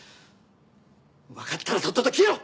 わかったらとっとと消えろ！